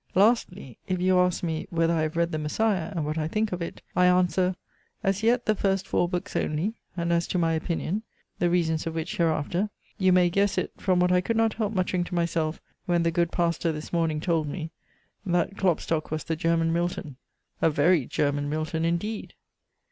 Lastly, if you ask me, whether I have read THE MESSIAH, and what I think of it? I answer as yet the first four books only: and as to my opinion (the reasons of which hereafter) you may guess it from what I could not help muttering to myself, when the good pastor this morning told me, that Klopstock was the German Milton "a very German Milton indeed!!!"